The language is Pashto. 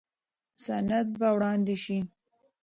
سند به وړاندې شي.